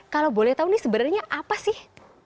kalau boleh tahu nih sebenarnya apa sih